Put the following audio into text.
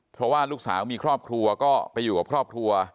เพราะว่าลูกสาวมีครอบครัวก็ไปอยู่กับครอบครัว